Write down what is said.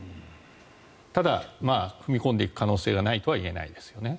ただ、踏み込んでいく可能性がないとは言えないですよね。